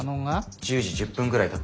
１０時１０分ぐらいだったと思います。